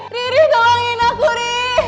riri tolongin aku riri